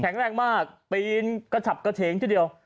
แข็งแรงมากปีนกระชับกระเทงเจ้าเดียว